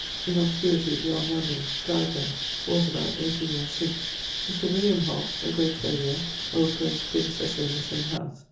in obscurity beyound London; died there, was about 80 yeares since. Mr. William Hobs, a great clothier (old Graye's predisessor in the same house).